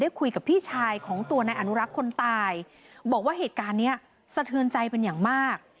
คุยกับพี่ชายของตัวนายอนุรักษ์คนตายบอกว่าเหตุการณ์เนี้ยสะเทือนใจเป็นอย่างมาก